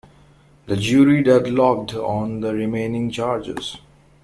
The jury deadlocked on the remaining charges.